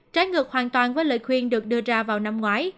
trái ngược hoàn toàn với lời khuyên được đưa ra vào năm ngoái